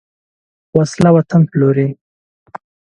وسله وطن پلوروي